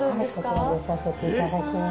こちらでさせていただきます。